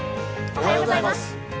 おはようございます。